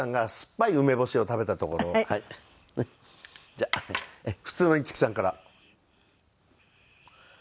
じゃあ普通の五木さんから。